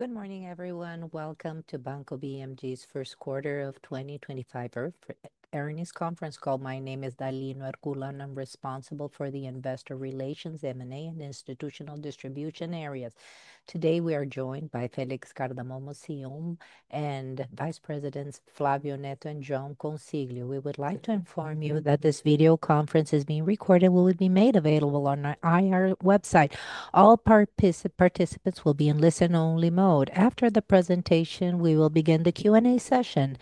Good morning, everyone. Welcome to Banco BMG's First Quarter of 2025 Earnings Conference Call. My name is Dalino Herbaculano and I'm responsible for the Investor Relations, M&A, and Institutional Distribution areas. Today, we are joined by Felix Cardamone, CEO and Vice Presidents Flavio Neto and João Consiglio. We would like to inform you that this video conference is being recorded and will be made available on our website. All participants will be in listen-only mode. After the presentation, we will begin the Q&A session.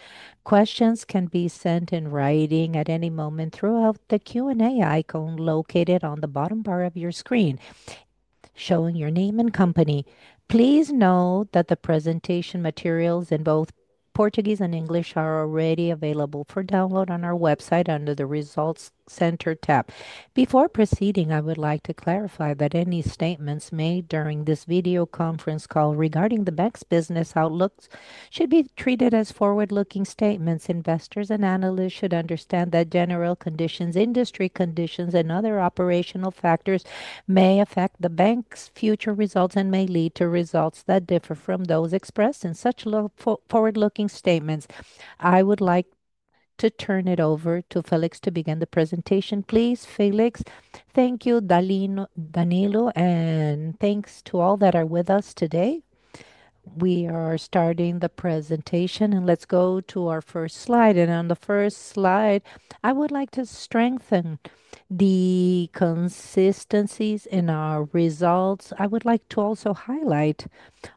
Questions can be sent in writing at any moment through the Q&A icon located on the bottom bar of your screen, showing your name and company. Please note that the presentation materials in both Portuguese and English are already available for download on our website under the Results Center tab. Before proceeding, I would like to clarify that any statements made during this video conference call regarding the bank's business outlook should be treated as forward-looking statements. Investors and analysts should understand that general conditions, industry conditions, and other operational factors may affect the bank's future results and may lead to results that differ from those expressed in such forward-looking statements. I would like to turn it over to Felix to begin the presentation, please. Felix, Thank you, Danilo, and thanks to all that are with us today. We are starting the presentation, and let's go to our first slide. On the first slide, I would like to strengthen the consistencies in our results. I would like to also highlight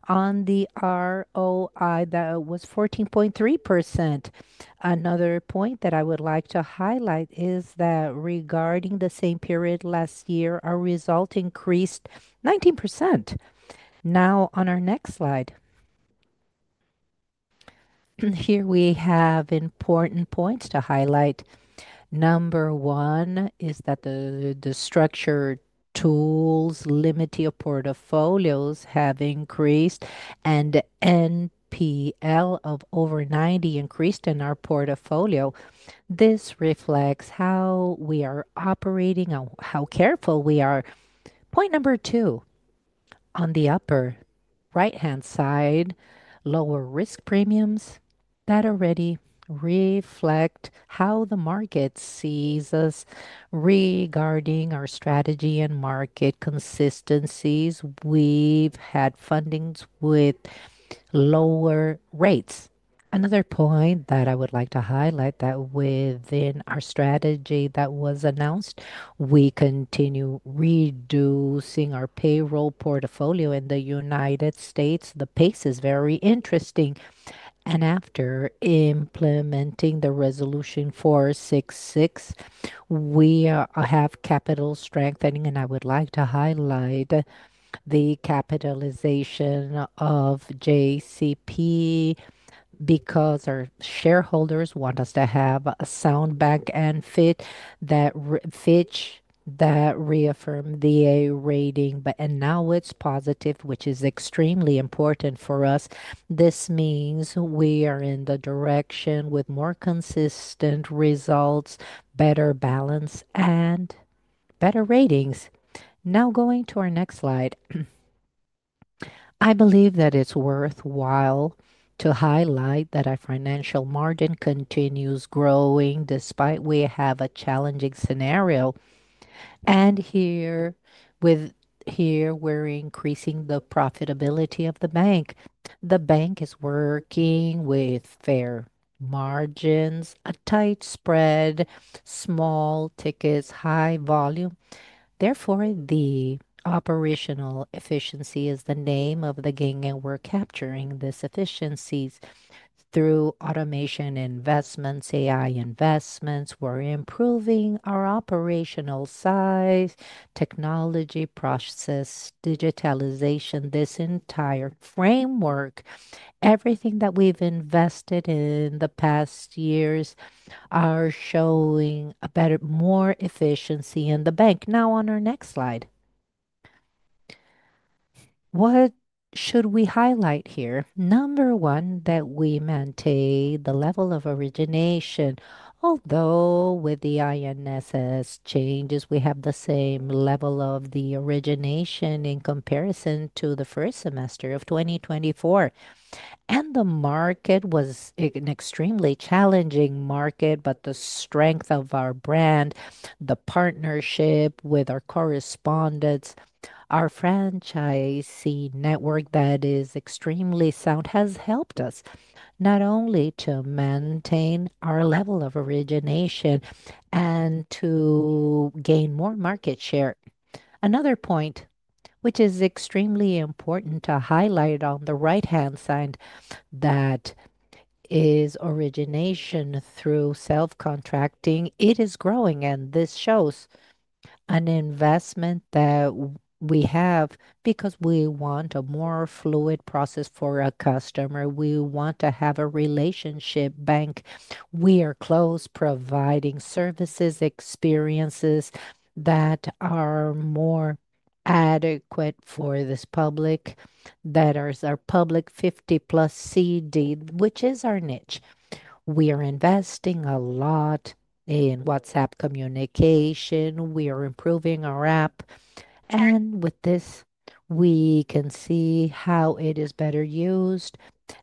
on the ROI that was 14.3%. Another point that I would like to highlight is that regarding the same period last year, our result increased 19%. On our next slide, here we have important points to highlight. Number one is that the structured tools, limited portfolios have increased, and NPL of over 90 increased in our portfolio. This reflects how we are operating and how careful we are. Point number two, on the upper right-hand side, lower risk premiums that already reflect how the market sees us. Regarding our strategy and market consistencies, we've had fundings with lower rates. Another point that I would like to highlight is that within our strategy that was announced, we continue reducing our payroll portfolio in the United States. The pace is very interesting. After implementing Resolution 466, we have capital strengthening, and I would like to highlight the capitalization of JCP because our shareholders want us to have a sound bank and fit that reaffirm the A rating. Now it's positive, which is extremely important for us. This means we are in the direction with more consistent results, better balance, and better ratings. Going to our next slide, I believe that it's worthwhile to highlight that our financial margin continues growing despite we have a challenging scenario. Here we're increasing the profitability of the bank. The bank is working with fair margins, a tight spread, small tickets, high volume. Therefore, operational efficiency is the name of the game, and we're capturing this efficiency through automation investments, AI investments. We're improving our operational size, technology, process, digitalization, this entire framework. Everything that we've invested in the past years is showing a better, more efficiency in the bank. On our next slide, what should we highlight here? Number one, that we maintain the level of origination. Although with the INSS changes, we have the same level of the origination in comparison to the first semester of 2024. The market was an extremely challenging market, but the strength of our brand, the partnership with our correspondents, our franchisee network that is extremely sound has helped us not only to maintain our level of origination and to gain more market share. Another point, which is extremely important to highlight on the right-hand side, is origination through self-contracting. It is growing, and this shows an investment that we have because we want a more fluid process for our customer. We want to have a relationship bank. We are close providing services, experiences that are more adequate for this public, that are our public 50+ CD, which is our niche. We are investing a lot in WhatsApp communication. We are improving our app. With this, we can see how it is better used,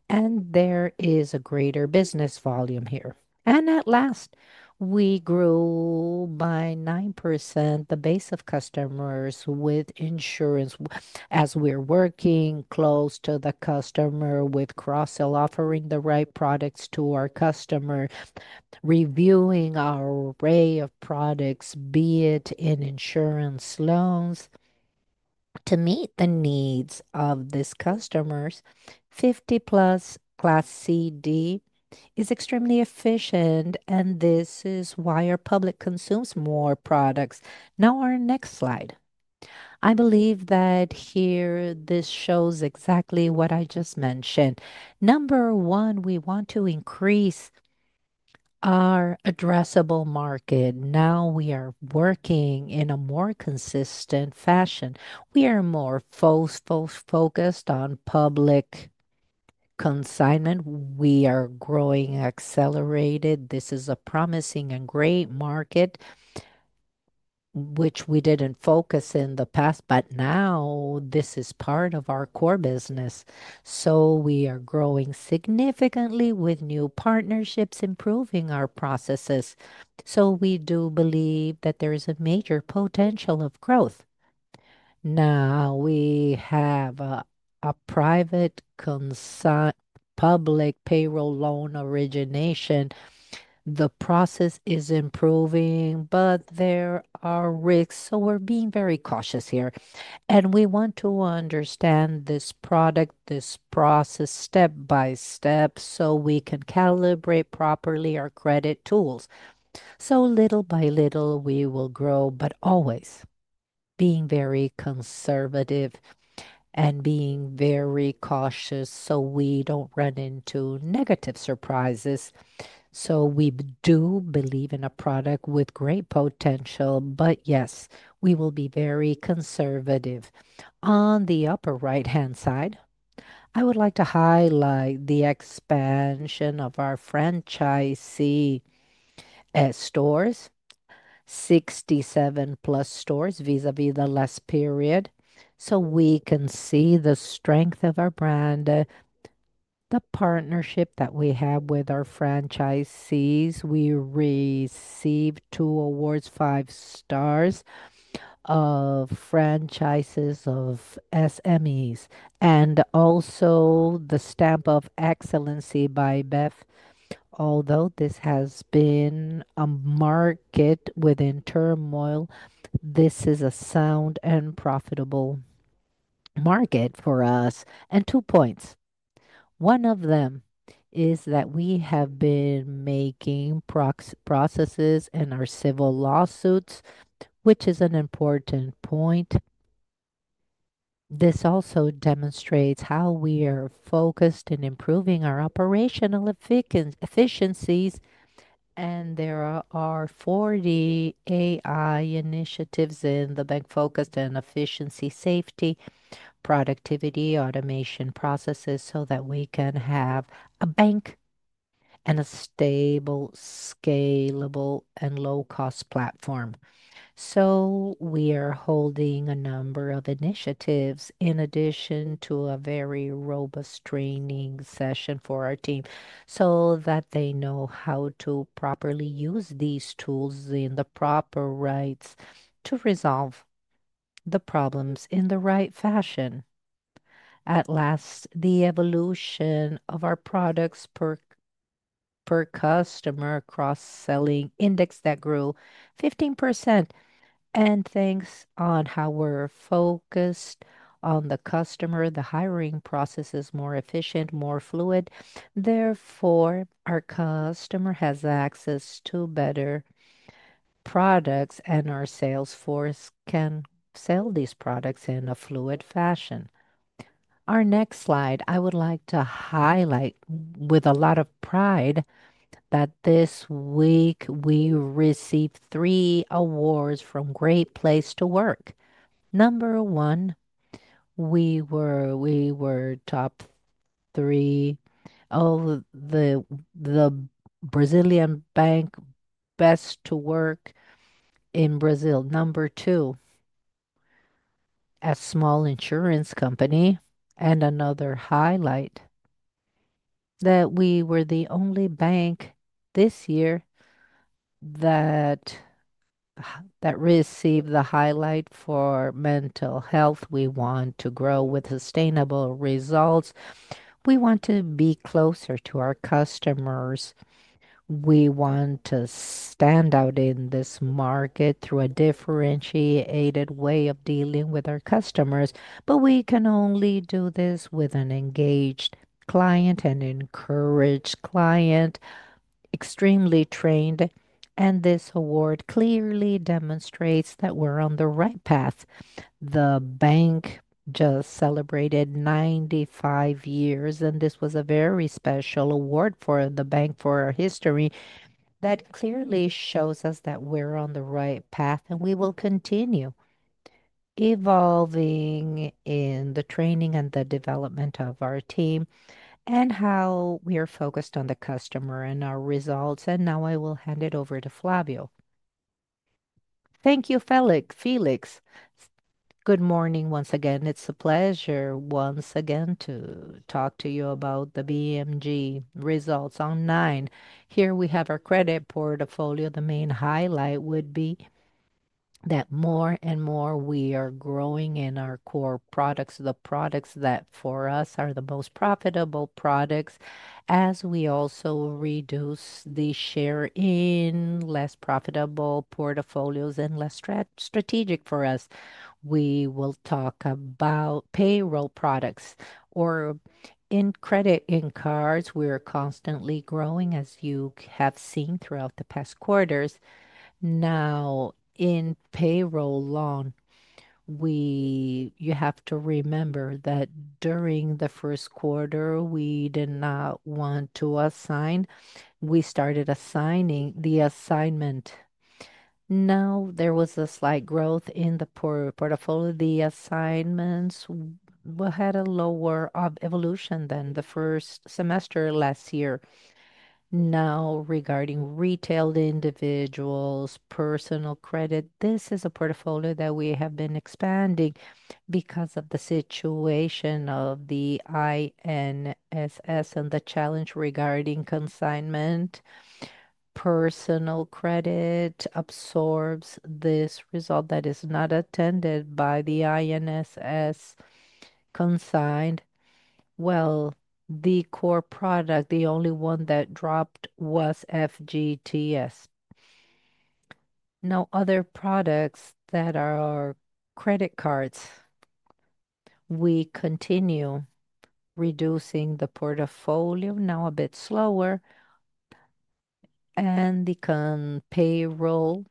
and there is a greater business volume here. At last, we grew by 9% the base of customers with insurance as we're working close to the customer with cross-sell offering the right products to our customer, reviewing our array of products, be it in insurance loans to meet the needs of these customers. 50+ class CD is extremely efficient, and this is why our public consumes more products. Now, our next slide. I believe that here this shows exactly what I just mentioned. Number one, we want to increase our addressable market. Now we are working in a more consistent fashion. We are more focused on public consignment. We are growing accelerated. This is a promising and great market, which we didn't focus in the past, but now this is part of our core business. We are growing significantly with new partnerships, improving our processes. We do believe that there is a major potential of growth. Now we have a private public payroll loan origination. The process is improving, but there are risks, so we're being very cautious here. We want to understand this product, this process step by step so we can calibrate properly our credit tools. Little by little, we will grow, but always being very conservative and being very cautious so we don't run into negative surprises. We do believe in a product with great potential, but yes, we will be very conservative. On the upper right-hand side, I would like to highlight the expansion of our franchisee stores, 67+ stores vis-à-vis the last period. We can see the strength of our brand, the partnership that we have with our franchisees. We received two awards, five stars of franchises of SMEs, and also the Stamp of Excellency by BEF. Although this has been a market within turmoil, this is a sound and profitable market for us. Two points. One of them is that we have been making processes in our civil lawsuits, which is an important point. This also demonstrates how we are focused in improving our operational efficiencies. There are 40 AI initiatives in the bank focused on efficiency, safety, productivity, automation processes so that we can have a bank and a stable, scalable, and low-cost platform. We are holding a number of initiatives in addition to a very robust training session for our team so that they know how to properly use these tools in the proper rights to resolve the problems in the right fashion. At last, the evolution of our products per customer cross-selling index that grew 15%. Thanks on how we're focused on the customer, the hiring process is more efficient, more fluid. Therefore, our customer has access to better products, and our sales force can sell these products in a fluid fashion. Our next slide, I would like to highlight with a lot of pride that this week we received three awards from Great Place to Work. Number one, we were top three of the Brazilian bank best to work in Brazil. Number two, a small insurance company. Another highlight is that we were the only bank this year that received the highlight for mental health. We want to grow with sustainable results. We want to be closer to our customers. We want to stand out in this market through a differentiated way of dealing with our customers. We can only do this with an engaged client, an encouraged client, extremely trained. This award clearly demonstrates that we're on the right path. The bank just celebrated 95 years, and this was a very special award for the bank for our history. That clearly shows us that we're on the right path, and we will continue evolving in the training and the development of our team and how we are focused on the customer and our results. Now I will hand it over to Flavio. Thank you, Felix. Good morning once again. It's a pleasure once again to talk to you about the BMG results online. Here we have our credit portfolio. The main highlight would be that more and more we are growing in our core products, the products that for us are the most profitable products. As we also reduce the share in less profitable portfolios and less strategic for us, we will talk about payroll products. In credit in cards, we are constantly growing, as you have seen throughout the past quarters. Now in payroll loan, you have to remember that during the first quarter, we did not want to assign. We started assigning the assignment. Now there was a slight growth in the portfolio. The assignments had a lower evolution than the first semester last year. Now regarding retailed individuals, personal credit, this is a portfolio that we have been expanding because of the situation of the INSS and the challenge regarding consignment. Personal credit absorbs this result that is not attended by the INSS consigned. The core product, the only one that dropped was FGTS. Other products that are credit cards, we continue reducing the portfolio, now a bit slower. The payroll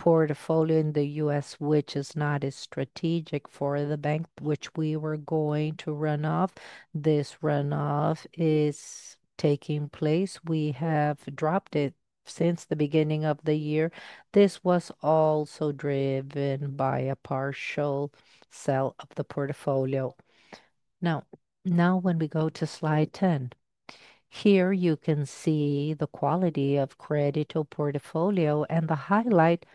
portfolio in the United States, which is not as strategic for the bank, which we were going to run off, this runoff is taking place. We have dropped it since the beginning of the year. This was also driven by a partial sell of the portfolio. Now when we go to slide 10, here you can see the quality of credit to portfolio, and the highlight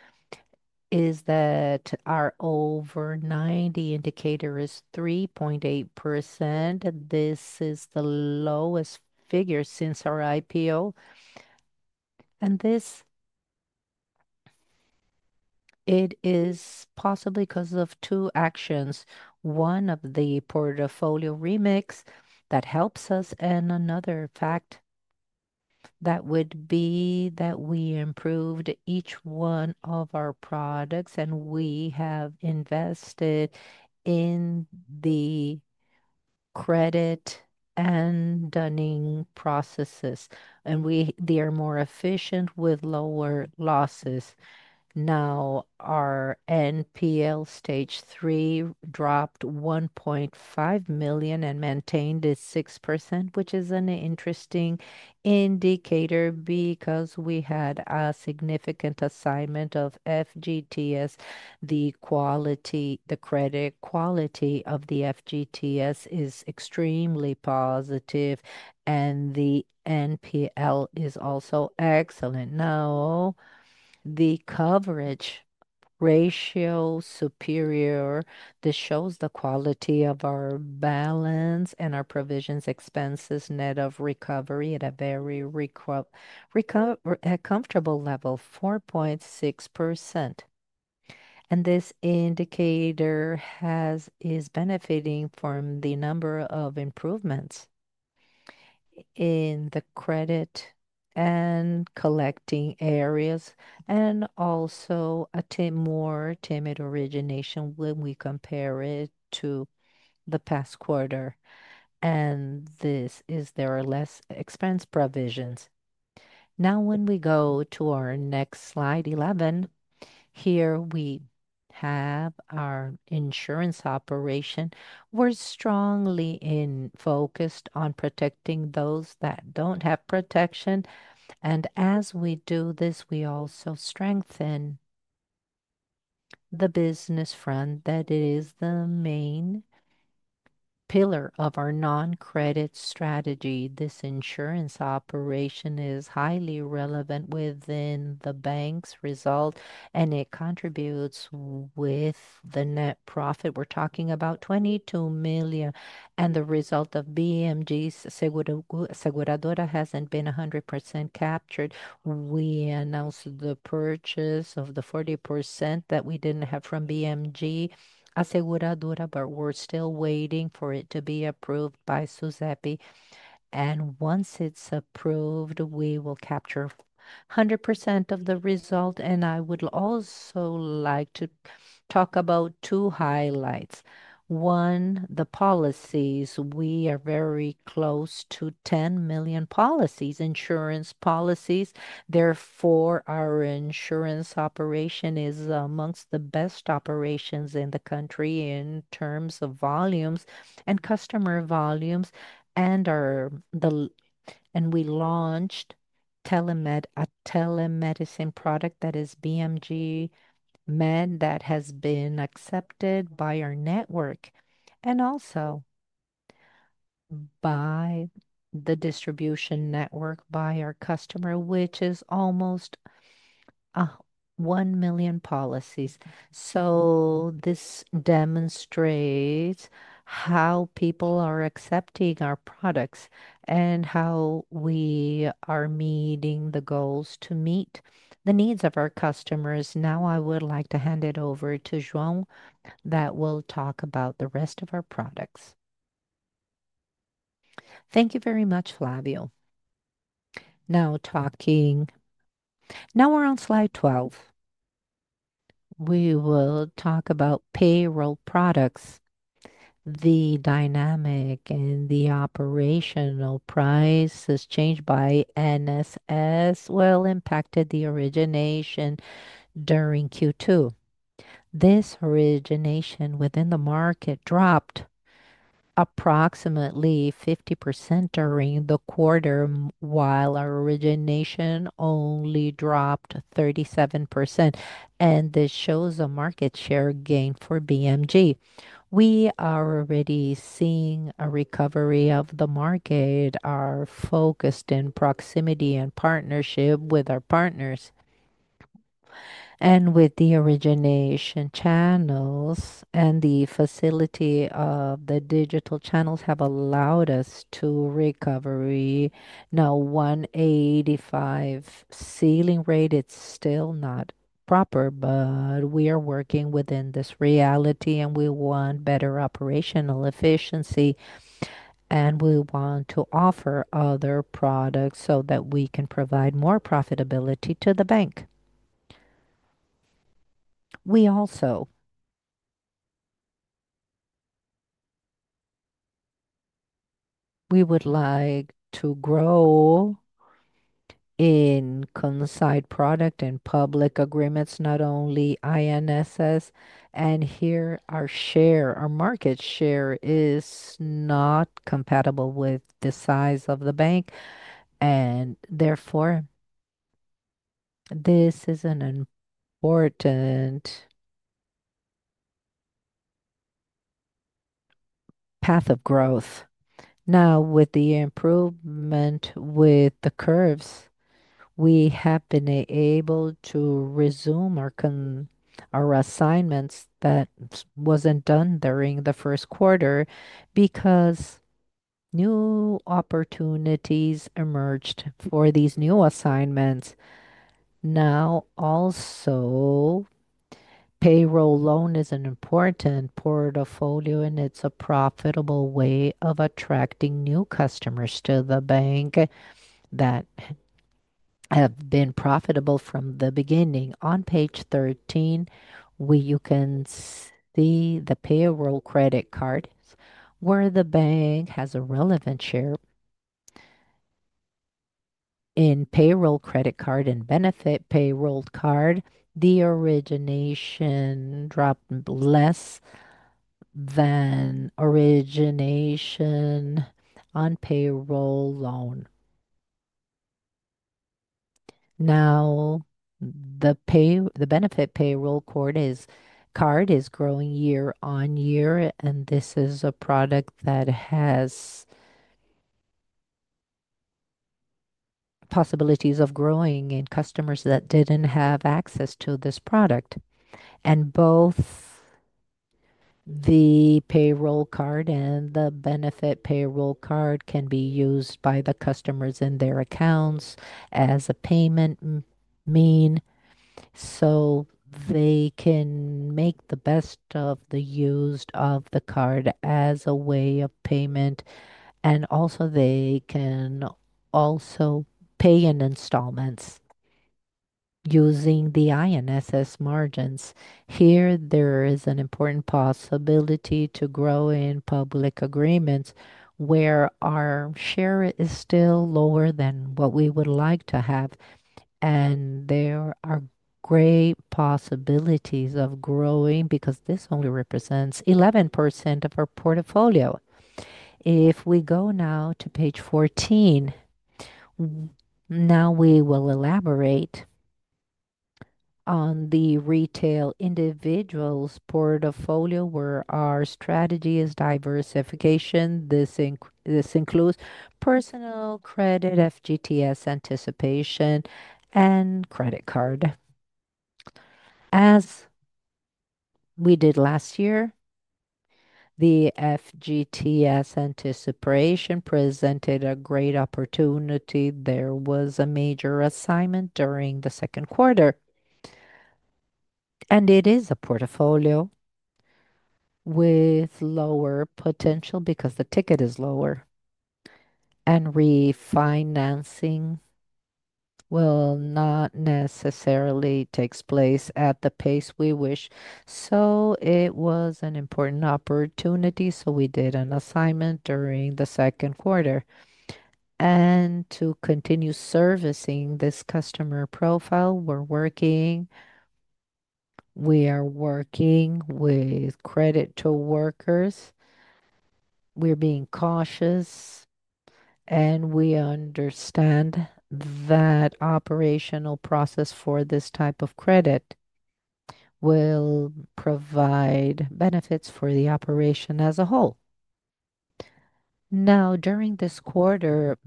is that our over 90 indicator is 3.8%. This is the lowest figure since our IPO. This is possibly because of two actions. One is the portfolio remix that helps us, and another fact would be that we improved each one of our products, and we have invested in the credit and dunning processes. They are more efficient with lower losses. Now our NPL stage three dropped 1.5 million and maintained at 6%, which is an interesting indicator because we had a significant assignment of FGTS. The credit quality of the FGTS is extremely positive, and the NPL is also excellent. Now the coverage ratio is superior. This shows the quality of our balance and our provisions expenses net of recovery at a very comfortable level, 4.6%. This indicator is benefiting from the number of improvements in the credit and collecting areas and also a more timid origination when we compare it to the past quarter. There are less expense provisions. Now when we go to our next slide, 11, here we have our insurance operation. We're strongly focused on protecting those that don't have protection. As we do this, we also strengthen the business front that is the main pillar of our non-credit strategy. This insurance operation is highly relevant within the bank's result, and it contributes with the net profit. We're talking about 22 million and the result of BMG Aseguradora hasn't been 100% captured. We announced the purchase of the 40% that we didn't have from BMG Aseguradora, but we're still waiting for it to be approved by SUSEP. Once it's approved, we will capture 100% of the result. I would also like to talk about two highlights. One, the policies. We are very close to 10 million policies, insurance policies. Therefore, our insurance operation is amongst the best operations in the country in terms of volumes and customer volumes. We launched a telemedicine product that is BMG Med that has been accepted by our network and also by the distribution network by our customer, which is almost 1 million policies. This demonstrates how people are accepting our products and how we are meeting the goals to meet the needs of our customers. Now I would like to hand it over to João that will talk about the rest of our products. Thank you very much, Flavio. Now we're on slide 12. We will talk about payroll products. The dynamic and the operational price has changed by INSS, impacted the origination during Q2. This origination within the market dropped approximately 50% during the quarter, while our origination only dropped 37%. This shows a market share gain for Banco BMG. We are already seeing a recovery of the market. Our focus in proximity and partnership with our partners and with the origination channels and the facility of the digital channels have allowed us to recover. Now, 185 ceiling rate, it's still not proper, but we are working within this reality and we want better operational efficiency and we want to offer other products so that we can provide more profitability to the bank. We also would like to grow in consigned product and public agreements, not only INSS. Here, our share, our market share is not compatible with the size of the bank. Therefore, this is an important path of growth. Now, with the improvement with the curves, we have been able to resume our assignments that were not done during the first quarter because new opportunities emerged for these new assignments. Also, payroll loan is an important portfolio and it's a profitable way of attracting new customers to the bank that have been profitable from the beginning. On page 13, you can see the payroll credit card where the bank has a relevant share in payroll credit card and benefit payroll card. The origination dropped less than origination on payroll loan. The benefit payroll card is growing year on year, and this is a product that has possibilities of growing in customers that didn't have access to this product. Both the payroll card and the benefit payroll card can be used by the customers in their accounts as a payment mean so they can make the best of the use of the card as a way of payment. Also, they can pay in installments using the INSS margins. Here, there is an important possibility to grow in public agreements where our share is still lower than what we would like to have. There are great possibilities of growing because this only represents 11% of our portfolio. If we go now to page 14, we will elaborate on the retail individuals' portfolio where our strategy is diversification. This includes personal credit, FGTS anticipation, and credit card. As we did last year, the FGTS anticipation presented a great opportunity. There was a major assignment during the second quarter. It is a portfolio with lower potential because the ticket is lower. Refinancing will not necessarily take place at the pace we wish. It was an important opportunity. We did an assignment during the second quarter. To continue servicing this customer profile, we're working. We are working with credit to workers. We're being cautious, and we understand that operational process for this type of credit will provide benefits for the operation as a whole. During this quarter,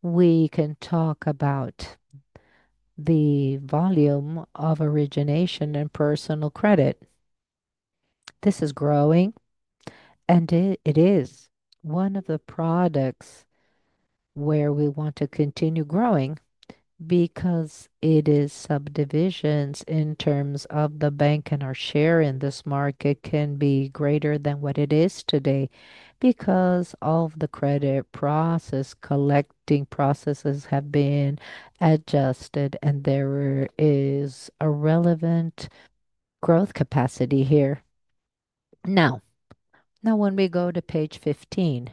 we can talk about the volume of origination and personal credit. This is growing, and it is one of the products where we want to continue growing because it is subdivisions in terms of the bank and our share in this market can be greater than what it is today because of the credit process. Collecting processes have been adjusted, and there is a relevant growth capacity here. Now when we go to page 15,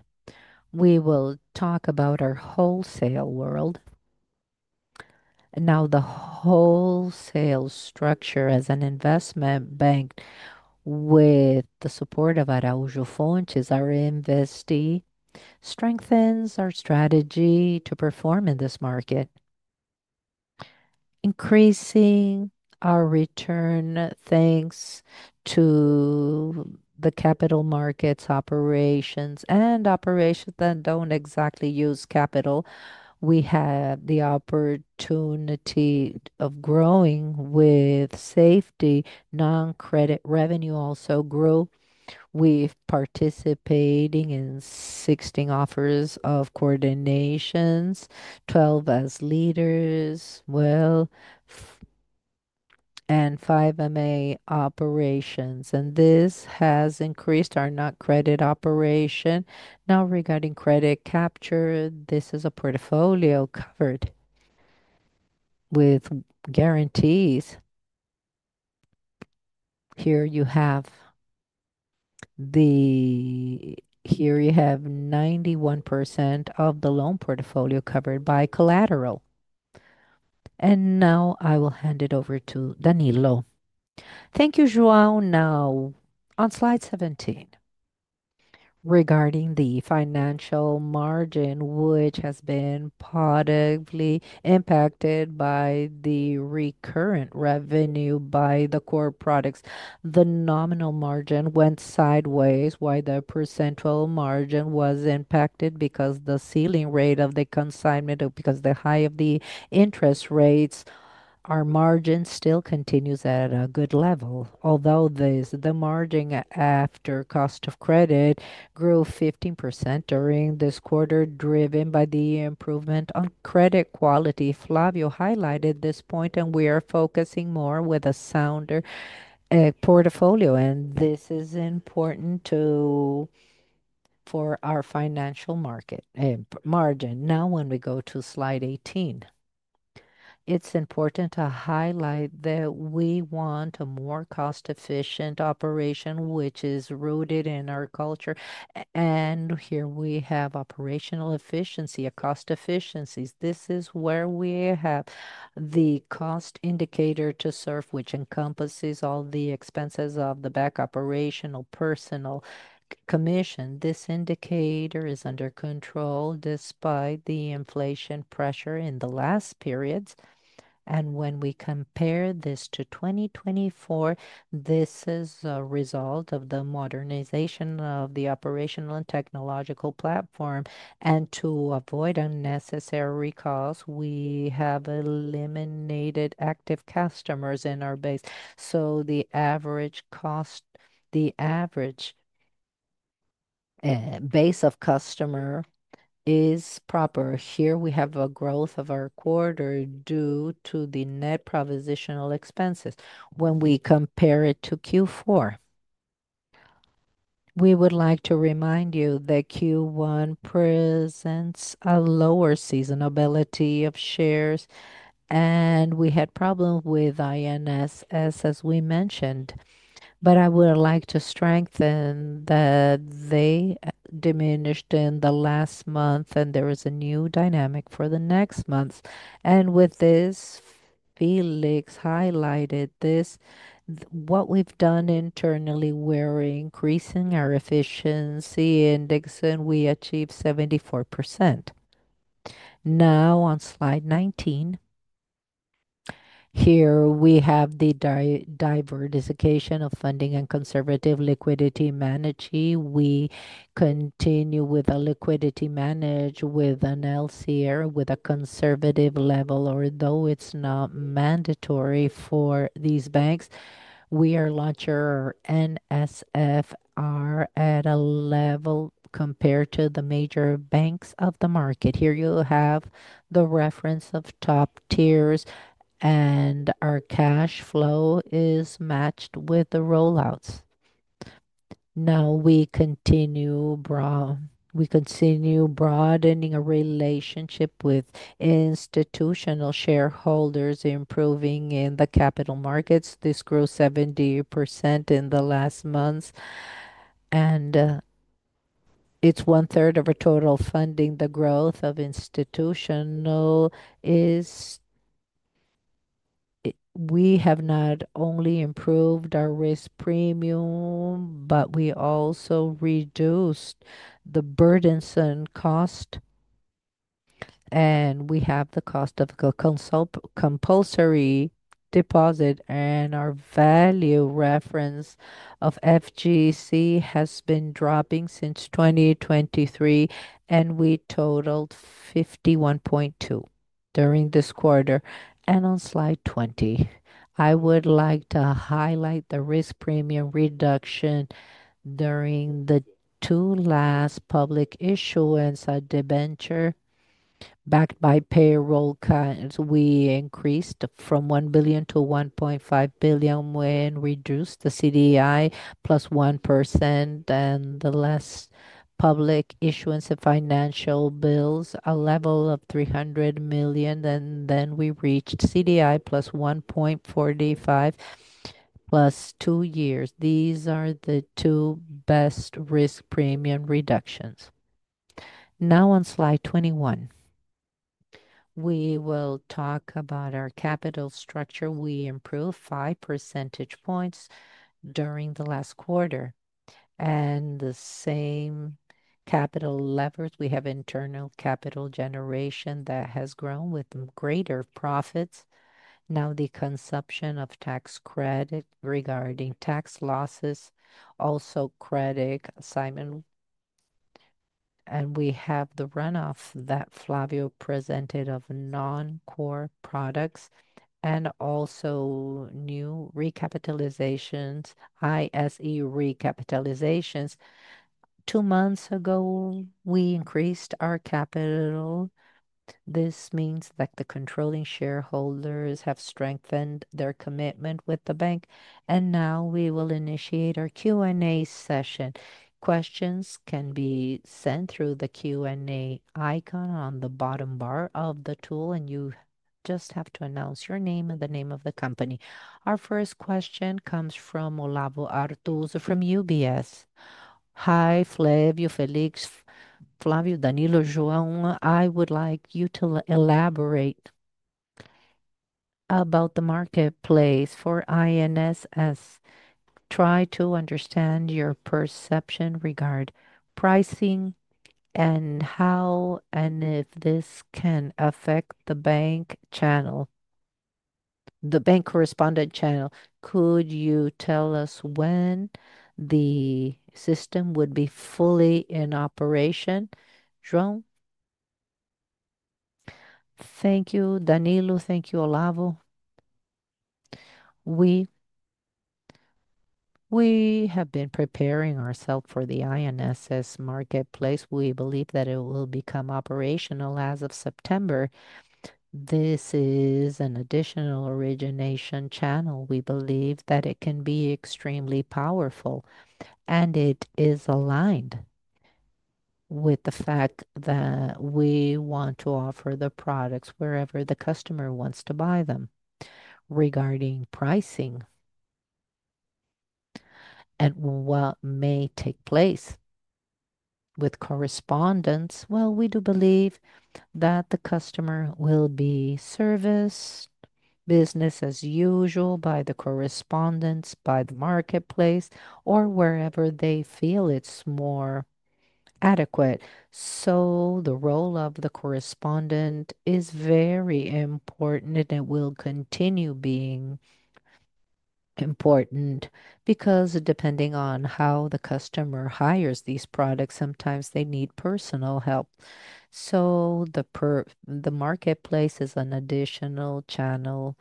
we will talk about our wholesale world. The wholesale structure as an investment bank with the support of Arajo Fontes, our investee, strengthens our strategy to perform in this market. Increasing our return, thanks to the capital markets operations and operations that don't exactly use capital. We have the opportunity of growing with safety. Non-credit revenue also grew. We've participated in 16 offers of coordinations, 12 as leaders, and 5 M&A operations. This has increased our non-credit operation. Regarding credit capture, this is a portfolio covered with guarantees. Here you have 91% of the loan portfolio covered by collateral. Now I will hand it over to Danilo. Thank you, João. On slide 17, regarding the financial margin, which has been positively impacted by the recurrent revenue by the core products. The nominal margin went sideways. The percentile margin was impacted because the ceiling rate of the consignment, because the high of the interest rates, our margin still continues at a good level. Although the margin after cost of credit grew 15% during this quarter, driven by the improvement on credit quality. Flavio highlighted this point, and we are focusing more with a sounder portfolio. This is important for our financial market margin. When we go to slide 18, it's important to highlight that we want a more cost-efficient operation, which is rooted in our culture. Here we have operational efficiency, a cost efficiency. This is where we have the cost indicator to serve, which encompasses all the expenses of the back operational personal commission. This indicator is under control despite the inflation pressure in the last periods. When we compare this to 2024, this is a result of the modernization of the operational and technological platform. To avoid unnecessary costs, we have eliminated active customers in our base. The average cost, the average base of customer is proper. Here we have a growth of our quarter due to the net provisional expenses. When we compare it to Q4, we would like to remind you that Q1 presents a lower seasonality of shares. We had problems with INSS, as we mentioned. I would like to strengthen that they diminished in the last month, and there is a new dynamic for the next month. Félix highlighted this, what we've done internally, we're increasing our efficiency index and we achieve 74%. Now, on slide 19, here we have the diversification of funding and conservative liquidity managing. We continue with a liquidity managed with an LCR with a conservative level, although it's not mandatory for these banks. We are larger NSFR at a level compared to the major banks of the market. Here you have the reference of top tiers, and our cash flow is matched with the rollouts. We continue broadening our relationship with institutional shareholders, improving in the capital markets. This grew 70% in the last months, and it's one-third of our total funding. The growth of institutional is we have not only improved our risk premium, but we also reduced the burdensome cost. We have the cost of the compulsory deposit, and our value reference of FGC has been dropping since 2023, and we totaled 51.2 during this quarter. On slide 20, I would like to highlight the risk premium reduction during the two last public issuance debenture backed by payroll cuts. We increased from 1 billion- 1.5 billion when we reduced the CDI + 1%. The last public issuance of financial bills, a level of 300 million. We reached CDI + 1.45 plus two years. These are the two best risk premium reductions. Now on slide 21, we will talk about our capital structure. We improved 5 percentage points during the last quarter. The same capital leverage, we have internal capital generation that has grown with greater profits. The conception of tax credit regarding tax losses, also credit assignment. We have the runoff that Flavio presented of non-core products and also new recapitalizations, ISE recapitalizations. Two months ago, we increased our capital. This means that the controlling shareholders have strengthened their commitment with the bank. Now we will initiate our Q&A session. Questions can be sent through the Q&A icon on the bottom bar of the tool, and you just have to announce your name and the name of the company. Our first question comes from Olavo Arthuzo from UBS. Hi, Flavio, Felix, Flavio, Danilo, João. I would like you to elaborate about the marketplace for INSS. Try to understand your perception regarding pricing and how and if this can affect the bank channel, the bank correspondent channel. Could you tell us when the system would be fully in operation? João? Thank you, Danilo. Thank you, Olavo. We have been preparing ourselves for the INSS marketplace. We believe that it will become operational as of September. This is an additional origination channel. We believe that it can be extremely powerful, and it is aligned with the fact that we want to offer the products wherever the customer wants to buy them. Regarding pricing, it may take place with correspondents. We do believe that the customer will be serviced business as usual by the correspondents, by the marketplace, or wherever they feel it's more adequate. The role of the correspondent is very important and will continue being important because depending on how the customer hires these products, sometimes they need personal help. The marketplace is an additional channel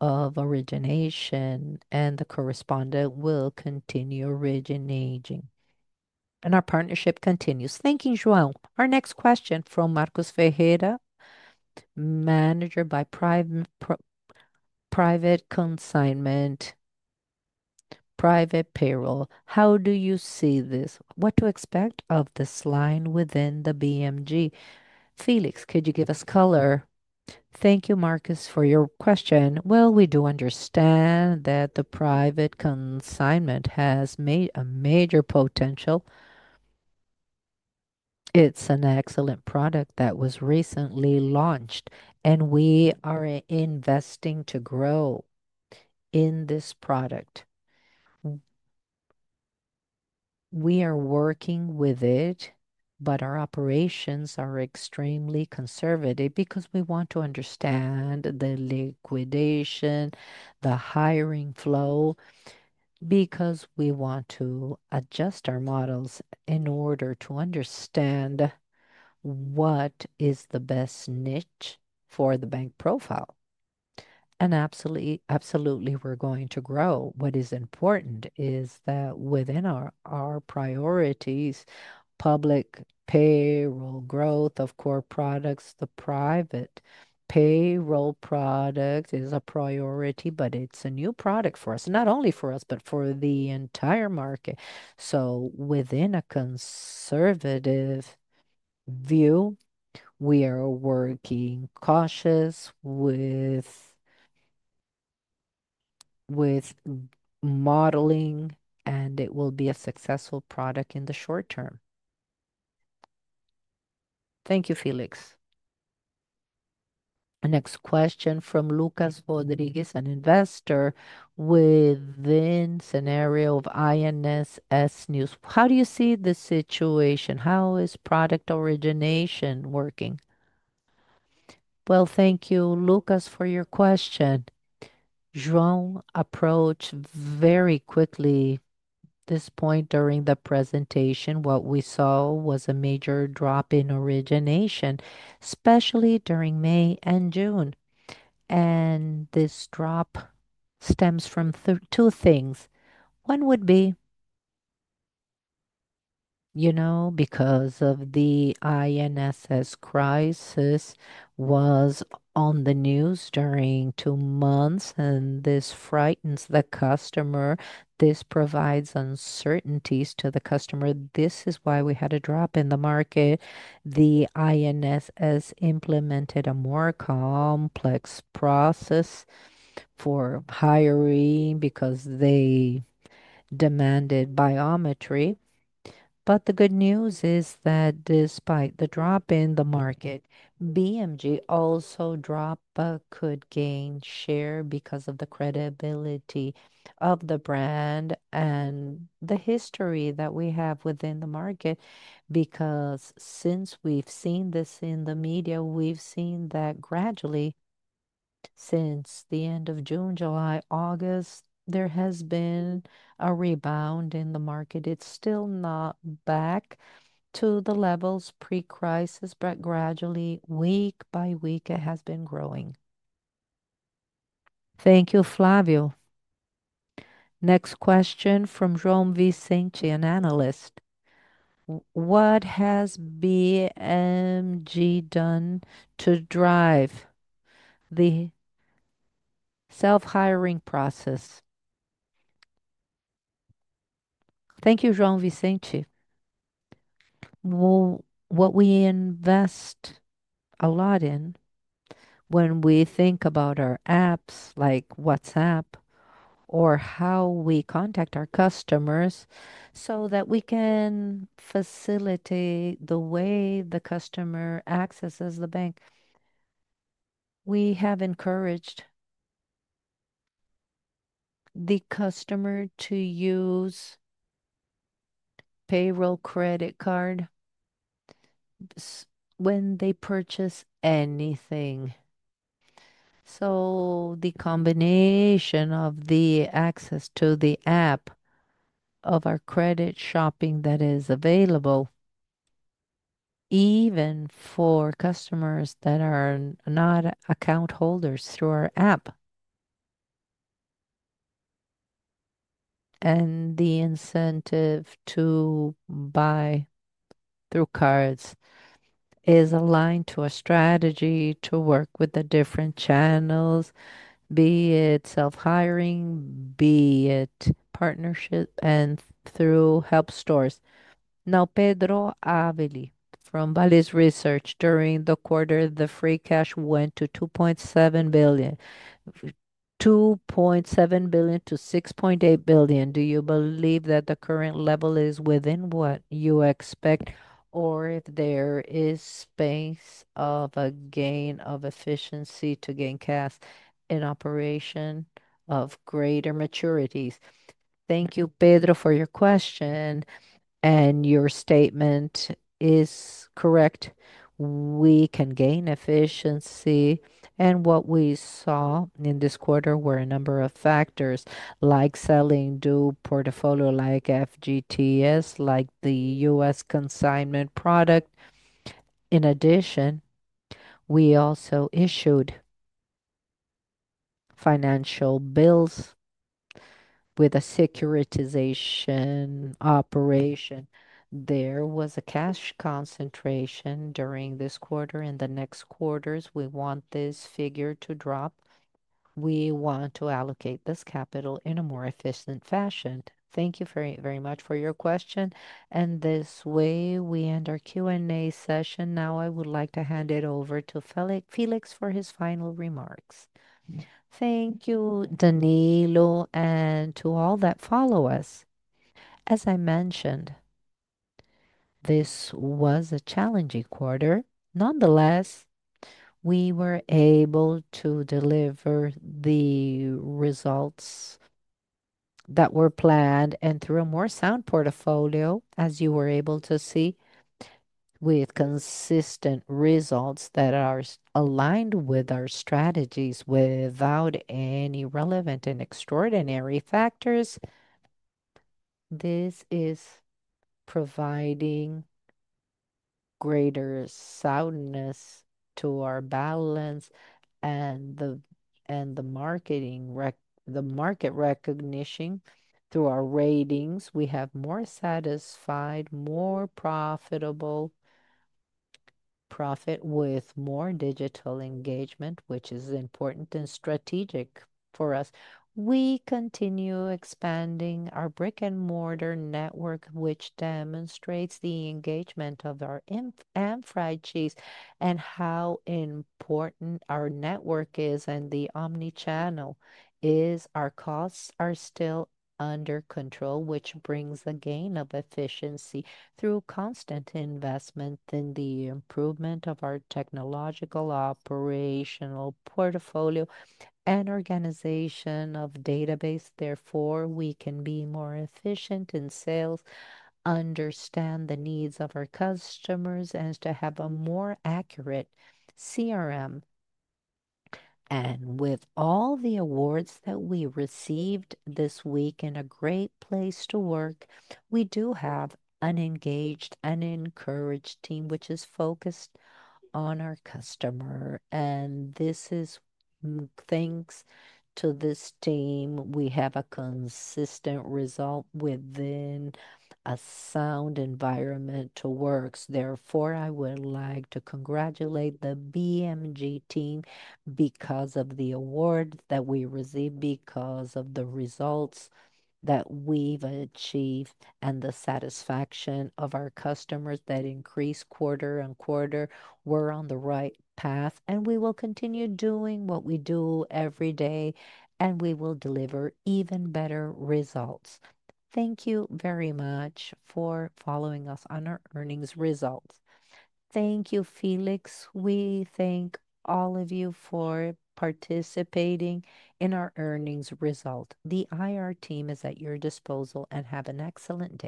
of origination, and the correspondent will continue originating. Our partnership continues. Thank you, João. Our next question from Marcos Ferreira, manager by private consignment. Private payroll. How do you see this? What to expect of this line within the BMG? Felix, could you give us color? Thank you, Marcos, for your question. We do understand that the private consignment has made a major potential. It's an excellent product that was recently launched, and we are investing to grow in this product. We are working with it, but our operations are extremely conservative because we want to understand the liquidation, the hiring flow, because we want to adjust our models in order to understand what is the best niche for the bank profile. Absolutely, absolutely, we're going to grow. What is important is that within our priorities, public payroll growth of core products, the private payroll product is a priority, but it's a new product for us, not only for us, but for the entire market. Within a conservative view, we are working cautious with modeling, and it will be a successful product in the short term. Thank you, Felix. Next question from Lucas Rodrigues, an investor within the scenario of INSS News. How do you see the situation? How is product origination working? Thank you, Lucas, for your question. João approached very quickly at this point during the presentation. What we saw was a major drop in origination, especially during May and June. This drop stems from two things. One would be because of the INSS crisis that was on the news during two months, and this frightens the customer. This provides uncertainties to the customer. This is why we had a drop in the market. The INSS implemented a more complex process for hiring because they demanded biometry. The good news is that despite the drop in the market, BMG also dropped but could gain share because of the credibility of the brand and the history that we have within the market. Since we've seen this in the media, we've seen that gradually since the end of June, July, August, there has been a rebound in the market. It's still not back to the levels pre-crisis, but gradually, week by week, it has been growing. Thank you, Flavio. Next question from Jean Vicente, an analyst. What has Banco BMG done to drive the self-hiring process? Thank you, Jean Vicente. What we invest a lot in when we think about our apps like WhatsApp or how we contact our customers so that we can facilitate the way the customer accesses the bank. We have encouraged the customer to use payroll credit card when they purchase anything. The combination of the access to the app of our credit shopping that is available, even for customers that are not account holders through our app, and the incentive to buy through cards is aligned to a strategy to work with the different channels, be it self-hiring, be it partnership, and through help stores. Now, Pedro Àvila from Varos Research, During the quarter, the free cash went to 2.7 billion. 2.7 billion-6.8 billion. Do you believe that the current level is within what you expect or if there is space of a gain of efficiency to gain cash in operation of greater maturities? Thank you, Pedro, for your question, and your statement is correct. We can gain efficiency, and what we saw in this quarter were a number of factors like selling due portfolio like FGTS, like the U.S. consignment product. In addition, we also issued financial bills with a securitization operation. There was a cash concentration during this quarter. In the next quarters, we want this figure to drop. We want to allocate this capital in a more efficient fashion. Thank you very much for your question. This way, we end our Q&A session. Now I would like to hand it over to Felix for his final remarks. Thank you, Danilo, and to all that follow us. As I mentioned, this was a challenging quarter. Nonetheless, we were able to deliver the results that were planned and through a more sound portfolio, as you were able to see, with consistent results that are aligned with our strategies without any relevant and extraordinary factors. This is providing greater soundness to our balance and the market recognition through our ratings. We have more satisfied, more profitable profit with more digital engagement, which is important and strategic for us. We continue expanding our brick-and-mortar network, which demonstrates the engagement of our ham-fried cheese and how important our network is and the omnichannel is. Our costs are still under control, which brings a gain of efficiency through constant investment in the improvement of our technological operational portfolio and organization of database. Therefore, we can be more efficient in sales, understand the needs of our customers, and to have a more accurate CRM. With all the awards that we received this week and a Great Place to Work, we do have an engaged and encouraged team which is focused on our customer. This is thanks to this team. We have a consistent result within a sound environment to work. Therefore, I would like to congratulate the BMG team because of the award that we received, because of the results that we've achieved, and the satisfaction of our customers that increase quarter on quarter. We're on the right path, and we will continue doing what we do every day, and we will deliver even better results. Thank you very much for following us on our earnings results. Thank you, Felix. We thank all of you for participating in our earnings result. The IR team is at your disposal and have an excellent day.